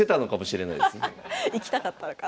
行きたかったのかな。